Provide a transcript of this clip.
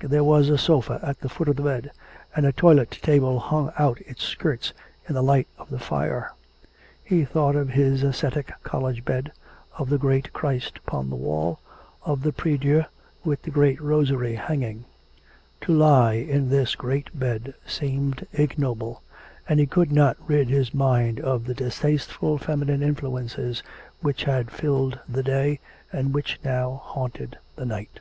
There was a sofa at the foot of the bed, and a toilet table hung out its skirts in the light of the fire. He thought of his ascetic college bed, of the great Christ upon the wall, of the prie dieu with the great rosary hanging. To lie in this great bed seemed ignoble; and he could not rid his mind of the distasteful feminine influences which had filled the day, and which now haunted the night.